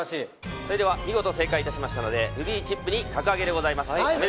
それでは見事正解いたしましたのでルビーチップに格上げでございます